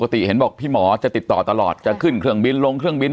เห็นบอกพี่หมอจะติดต่อตลอดจะขึ้นเครื่องบินลงเครื่องบิน